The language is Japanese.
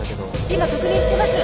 ☎今確認しています。